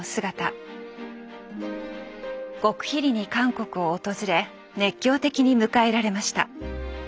極秘裏に韓国を訪れ熱狂的に迎えられました。